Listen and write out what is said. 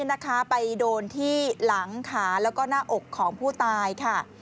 นะคะไปโดนที่หลังขาแล้วก็หน้าอกของผู้ตายค่ะ